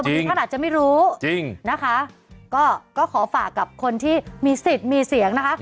ท่านอาจจะไม่รู้จริงนะคะก็ขอฝากกับคนที่มีสิทธิ์มีเสียงนะคะ